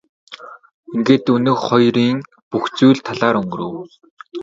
Ингээд өнөөх хоёрын бүх зүйл талаар өнгөрөв.